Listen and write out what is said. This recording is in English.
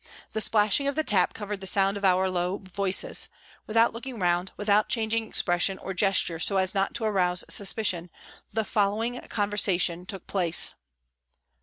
The splashing of the tap covered the sound of our low voices ; without looking round, without changing expression or gesture so as not to arouse suspicion, the following conversation took place.